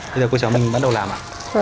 bây giờ cô cháu mình bắt đầu làm ạ